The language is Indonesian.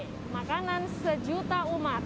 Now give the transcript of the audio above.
pecelele makanan sejuta umat